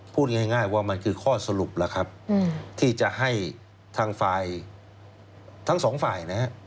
พูดง่ายว่ามันคือข้อสรุปที่จะให้ทั้งสองฝ่าย